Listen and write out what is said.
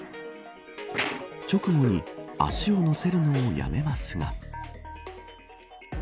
直後に足を乗せるのをやめますが。